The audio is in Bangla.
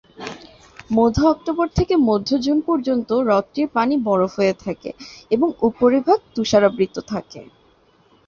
মধ্য অক্টোবর হতে মধ্য জুন পর্যন্ত হ্রদটির পানি বরফ হয়ে থাকে এবং উপরিভাগ তুষারাবৃত থাকে।